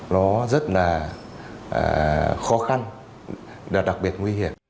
nó rất là khó khăn và đặc biệt nguy hiểm